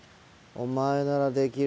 お前ならできる。